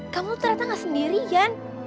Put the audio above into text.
kamu ternyata gak sendirian